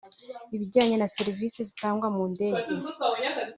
ibijyanye na serivisi zitangwa mu ndege